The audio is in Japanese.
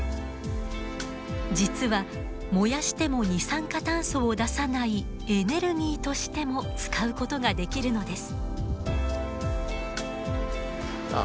実は燃やしても二酸化炭素を出さないエネルギーとしても使うことができるのです。